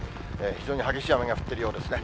非常に激しい雨が降っているようですね。